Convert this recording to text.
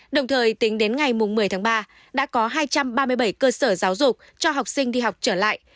đồng thời tính đến ngày một mươi tháng ba đã có hai trăm ba mươi bảy cơ sở giáo dục cho học sinh đi học trở lại